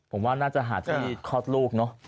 ผมว่าน่าจะหาที่คลอดลูกเนอะ